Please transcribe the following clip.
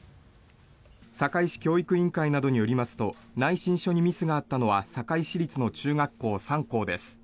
堺市教育委員会などによりますと内申書にミスがあったのは堺市立の中学校３校です。